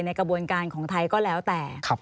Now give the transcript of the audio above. กระบวนการของไทยก็แล้วแต่